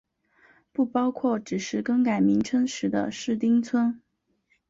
不包括只是更改名称的市町村。